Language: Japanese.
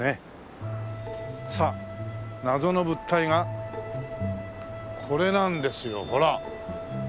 さあ謎の物体がこれなんですよほら！